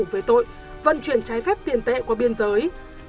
về tội vận chuyển trái phép tiền tệ qua biên giới